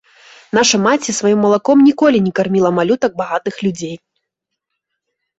Наша маці сваім малаком ніколі не карміла малютак багатых людзей.